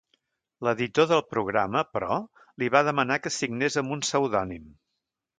L'editor del programa, però, li va demanar que signés amb un pseudònim.